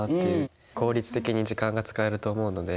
効率的に時間が使えると思うので。